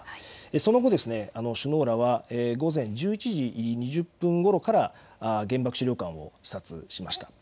その後、首脳らは午前１１時２０分ごろから原爆資料館を視察しました。